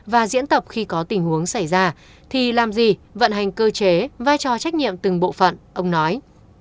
và diễn tập khi có tình huống xảy ra thì làm gì vận hành cơ chế vai trò trách nhiệm từng bộ phận ông nói